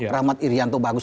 rahmat irianto bagus